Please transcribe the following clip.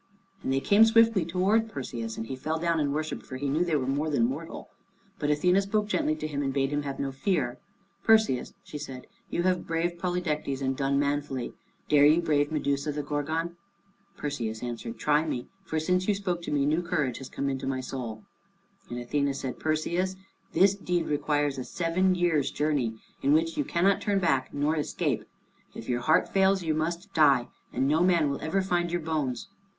And they came swiftly towards Perseus, and he fell down and worshiped, for he knew they were more than mortal. But Athene spoke gently to him and bade him have no fear. "Perseus," she said, "you have braved Polydectes, and done manfully. Dare you brave Medusa the Gorgon?" Perseus answered, "Try me, for since you spoke to me, new courage has come into my soul." And Athene said, "Perseus, this deed requires a seven years' journey, in which you cannot turn back nor escape. If your heart fails, you must die, and no man will ever find your bones."